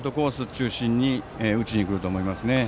中心に打ちにくると思いますね。